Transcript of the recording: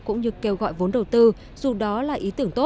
cũng như kêu gọi vốn đầu tư